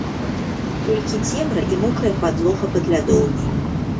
Толькі цемра і мокрая падлога пад лядоўняй.